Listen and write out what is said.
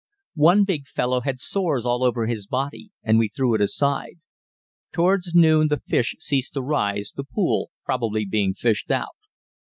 One big fellow had sores all over his body, and we threw it aside. Towards noon the fish ceased to rise, the pool probably being fished out.